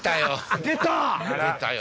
⁉出たよ！